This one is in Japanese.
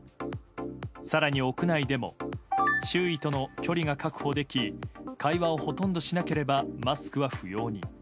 更に、屋内でも周囲との距離が確保でき会話をほとんどしなければマスクは不要に。